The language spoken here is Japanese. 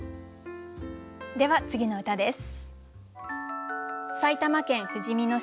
では次の歌です。